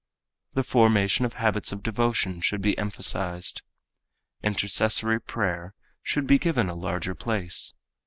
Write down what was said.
The formation of habits of devotion should be emphasized. Intercessory prayer should be given a larger place.